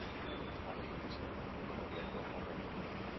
Ahalegin bizian ari dira Orioko arraunlariak.